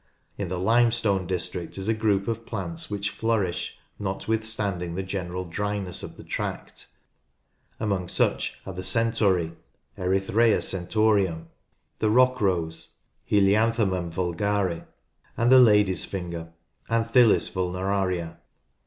In the limestone district is a group of plants which flourish, notwithstanding the general dryness of the tract. Among such are the centaury (Erythraca centaureum\ the rock rose (Helianthemum vulgare\ and the lady's finger (Anthyll'n vulneraria).